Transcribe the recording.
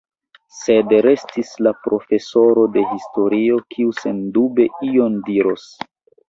Sed restis la profesoro de historio, kiu sendube ion diros.